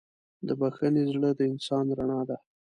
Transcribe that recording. د بښنې زړه د انسان رڼا ده.